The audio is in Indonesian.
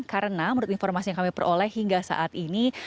karena menurut informasi yang kami peroleh hingga saat ini